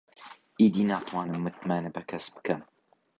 ئیدی ناتوانم متمانە بە کەس بکەم.